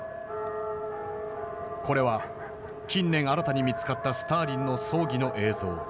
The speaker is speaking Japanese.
これは近年新たに見つかったスターリンの葬儀の映像。